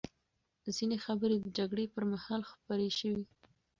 ځینې خبرې د جګړې پر مهال خپرې شوې.